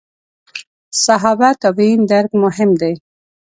صحابه تابعین درک مهم دي.